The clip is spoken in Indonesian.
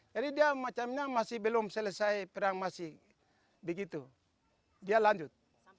jadi dia macamnya masih belum selesai perang masih begitu dia lanjut